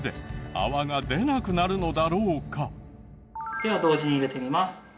では同時に入れてみます。